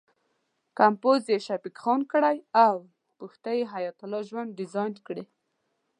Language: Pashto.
کمپوز یې شفیق خان کړی او پښتۍ یې حیات الله ژوند ډیزاین کړې.